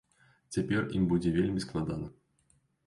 Цяпер ім будзе вельмі складана.